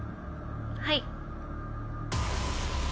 はい。